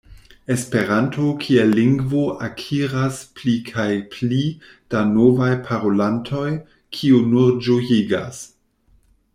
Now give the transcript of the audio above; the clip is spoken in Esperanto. Esperanto kiel lingvo akiras pli kaj pli da novaj parolantoj, kio nur ĝojigas.